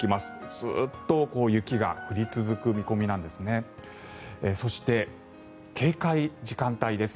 ずっと雪が降り続く見込みなんです。